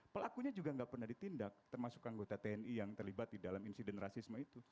pelakunya juga nggak pernah ditindak termasuk anggota tni yang terlibat di dalam insiden rasisme itu